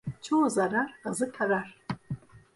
Çoğu zarar, azı karar.